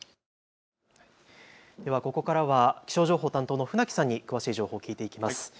ではここからは気象情報の担当の船木さんに詳しく聞いていきます。